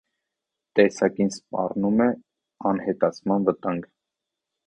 Տեսակին սպառնում է անհետացման վտանգ։